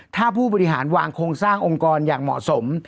ถ้าผู้บริหารวางโครงสร้างองค์กรอย่างเหมาะสม